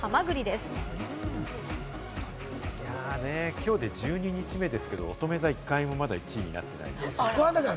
今日で１２日目ですけど、おとめ座１回も１位になってないんですよ。